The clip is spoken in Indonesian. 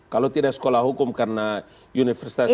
kalau tidak sekolah hukum karena universitas